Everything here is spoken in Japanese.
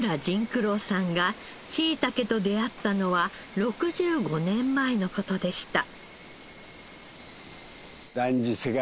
久郎さんがしいたけと出会ったのは６５年前の事でした。